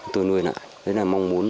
tôi nuôi lại đấy là mong muốn